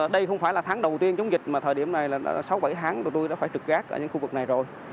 đây không phải là tháng đầu tiên chống dịch mà thời điểm này là sáu bảy tháng tụi tôi đã phải trực gác ở những khu vực này rồi